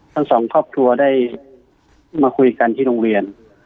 ทั้งสองครอบครัวได้มาคุยกันที่โรงเรียน